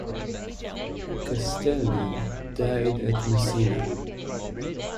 Castelli died at Messina.